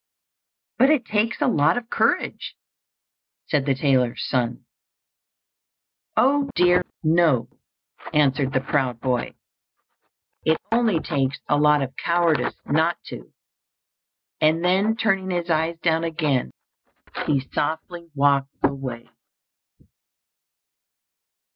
"But it takes a lot of courage," said the tailor's son. "Oh, dear, no," answered the proud boy; "it only takes a lot of cowardice not to;" and then turning his eyes down again, he softly walked away.